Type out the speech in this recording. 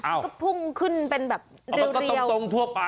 อ้าวก็พุ่งขึ้นเป็นแบบเรียวเรียวตรงตรงทั่วไป